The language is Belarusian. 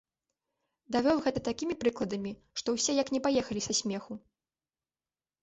Давёў гэта такімі прыкладамі, што ўсе як не паехалі са смеху.